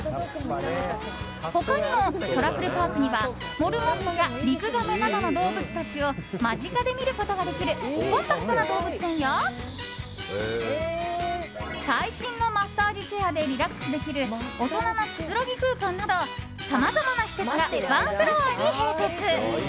他にもソラフルパークにはモルモットやリクガメなどの動物たちを間近で見ることができるコンパクトな動物園や最新のマッサージチェアでリラックスできる大人のくつろぎ空間などさまざまな施設がワンフロアに併設。